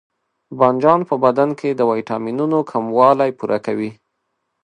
بانجان په بدن کې د ویټامینونو کموالی پوره کوي.